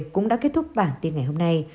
cũng đã kết thúc bản tin ngày hôm nay